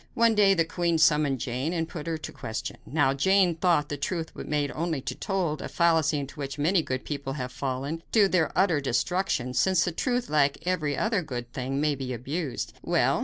One day the queen summoned Jane and put her to the question. Now, Jane thought the truth was made only to be told, a fallacy into which many good people have fallen, to their utter destruction; since the truth, like every other good thing, may be abused. Well!